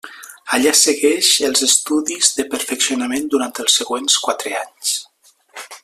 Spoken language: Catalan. Allà segueix els estudis de perfeccionament durant els següents quatre anys.